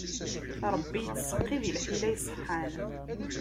Ṛebbi ittseqqi di lḥila iṣeḥḥan.